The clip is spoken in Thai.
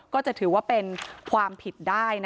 ก็จะถือว่าเป็นความผิดได้